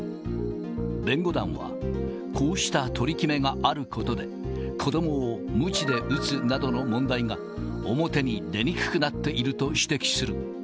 弁護団は、こうした取り決めがあることで、子どもをむちで打つなどの問題が、表に出にくくなっていると指摘する。